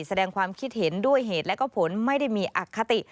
แสดงความคิดเห็นด้วยเหตุและก็ผลไม่ได้มีอคติ